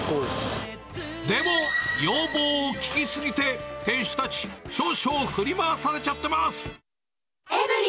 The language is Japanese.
でも、要望を聞き過ぎて、店主たち、少々、振り回されちゃってます。